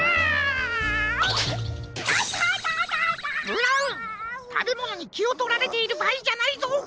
ブラウンたべものにきをとられているばあいじゃないぞ！